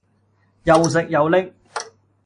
又食又拎